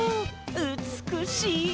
うつくしい！